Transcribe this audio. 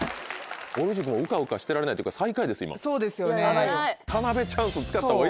ぼる塾もうかうかしてられないっていうか最下位です今。